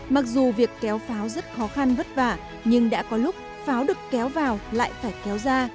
mặc dù việc kéo pháo rất khó khăn vất vả nhưng đã có lúc pháo được kéo vào lại phải kéo ra